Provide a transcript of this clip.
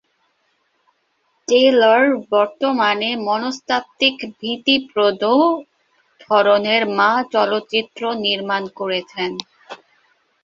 Taylor বর্তমানে মনস্তাত্ত্বিক ভীতিপ্রদ ধরনের "মা" চলচ্চিত্র নির্মাণ করছেন।